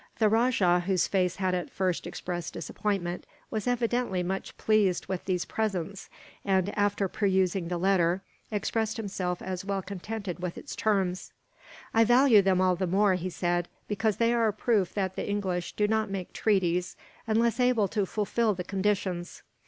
The rajah, whose face had at first expressed disappointment, was evidently much pleased with these presents and, after perusing the letter, expressed himself as well contented with its terms. "I value them all the more," he said, "because they are a proof that the English do not make treaties, unless able to fulfil the conditions.